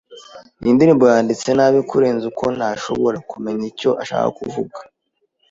Iyi ndirimbo yanditse nabi kurenza uko ntashobora kumenya icyo ashaka kuvuga.